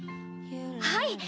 はい。